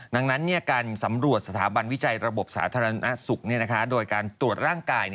ดังนั้นการสำรวจสถาบันวิจัยระบบสาธารณสุขโดยการตรวจร่างกาย